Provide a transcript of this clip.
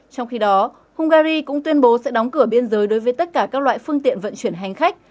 trong khi đó hungary cũng tuyên bố sẽ đóng cửa biên giới đối với tất cả các loại phương tiện vận chuyển hành khách